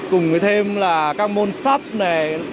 cùng với thêm là các môn sắp này